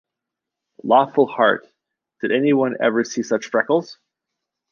Lawful heart, did any one ever see such freckles?